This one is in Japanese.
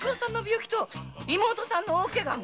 妹さんの大ケガも？